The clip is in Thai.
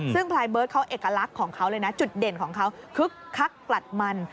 ซึ่งพลายเบิร์ตเขาเอกลักษณ์ของเขาเลยนะจุดเด่นของเขาคึกคักกลัดมัน